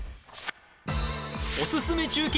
おすすめ中継